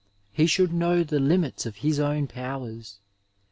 He should know the limits of his own powers.